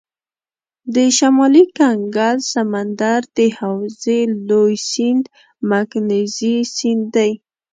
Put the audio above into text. د شمالي کنګل سمندر د حوزې لوی سیند مکنزي سیند دی.